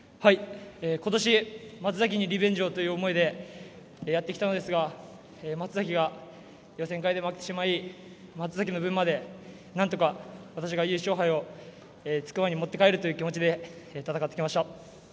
今年、松崎にリベンジをという思いでやってきたのですが松崎が予選会で負けてしまい松崎の分までなんとか私が優勝杯を筑波に持って帰るという気持ちで戦ってきました。